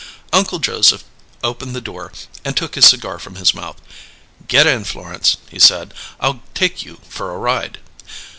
Uncle Joseph opened the door and took his cigar from his mouth. "Get in, Florence," he said. "I'll take you for a ride."